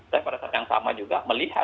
saya pada saat yang sama juga melihat